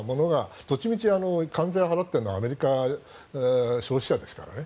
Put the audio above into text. どっちみち関税を払っているのはアメリカの消費者ですからね。